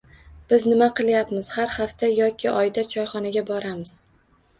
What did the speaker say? Biz nima qilyapmiz har hafta yoki oyda choyxonaga boramiz.